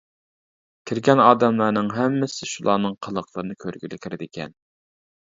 كىرگەن ئادەملەرنىڭ ھەممىسى شۇلارنىڭ قىلىقلىرىنى كۆرگىلى كىردىكەن.